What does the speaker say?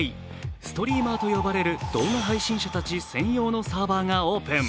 ストリーマーと呼ばれる動画配信者たち専用のサーバーがオープン。